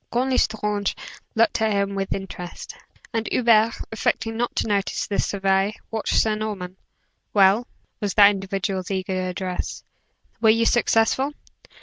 Count L'Estrange looked at him with interest, and Hubert, affecting not to notice the survey, watched Sir Norman. "Well," was that individual's eager address, "were you successful?"